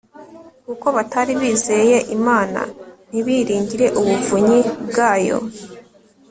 kuko batari bizeye imana, ntibiringire ubuvunyi bwayo